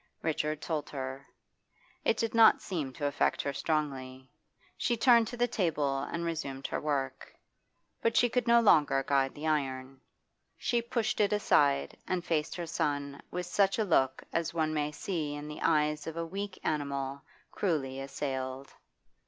Richard told her. It did not seem to affect her strongly; she turned to the table and resumed her work. But she could no longer guide the iron. She pushed it aside and faced her son with such a look as one may see in the eyes of a weak animal cruelly assailed.